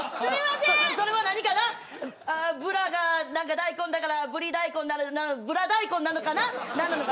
それは何かなブラが大根だからぶり大根ならぬブラ大根なのかな。